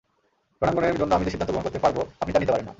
রণাঙ্গনের জন্য আমি যে সিদ্ধান্ত গ্রহণ করতে পারব আপনি তা নিতে পারেন না।